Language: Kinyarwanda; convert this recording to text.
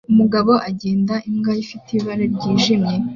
Umugabo agenda imbwa ifite ibara ryijimye